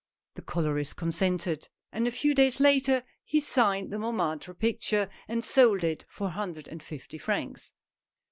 The colorist consented ; and a few days later he signed the Montmartre picture, and sold it for a hun dred and fifty francs.